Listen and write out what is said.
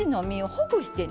ほぐして！